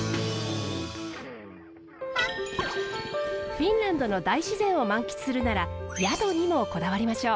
フィンランドの大自然を満喫するなら宿にもこだわりましょう。